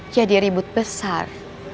jadi ribut besar